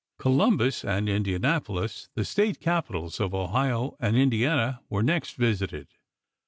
Columbus and Indianapolis, the State capitals of Ohio and Indiana, were next visited.